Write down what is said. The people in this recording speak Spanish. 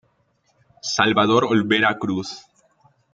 Salvador Olvera Cruz.